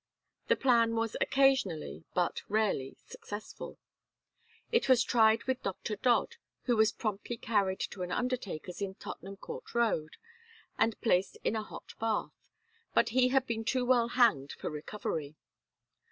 The plan was occasionally, but rarely, successful. It was tried with Doctor Dodd, who was promptly carried to an undertaker's in Tottenham Court Road and placed in a hot bath; but he had been too well hanged for recovery.